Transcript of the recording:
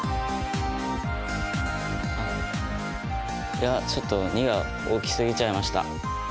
いやちょっと「に」が大きすぎちゃいました。